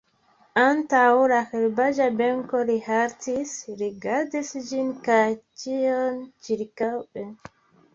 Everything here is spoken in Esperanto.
Antaŭ la herbaĵa benko li haltis, rigardis ĝin kaj ĉion ĉirkaŭe.